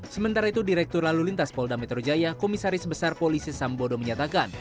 sementara itu direktur lalu lintas polda metro jaya komisaris besar polisi sambodo menyatakan